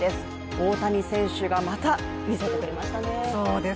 大谷選手がまた見せてくれましたね。